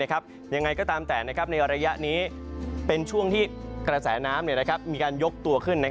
ยังไงก็ตามแต่ในระยะนี้เป็นช่วงที่กระแสน้ำมีการยกตัวขึ้น